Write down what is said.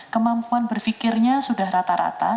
kemampuan berpikirnya sudah rata rata